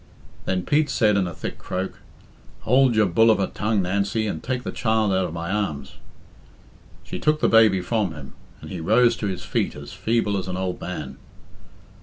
Then Pete said in a thick croak, "Hould your bull of a tongue, Nancy, and take the child out of my arms." She took the baby from him, and he rose to his feet as feeble as an old man.